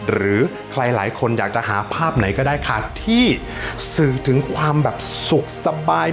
หรือใครหลายคนอยากจะหาภาพไหนก็ได้ค่ะที่สื่อถึงความแบบสุขสบาย